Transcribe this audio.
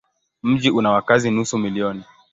Mji una wakazi nusu milioni.